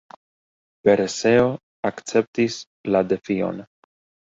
Perseo akceptis la defion.